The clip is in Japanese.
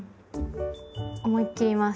思いっ切ります。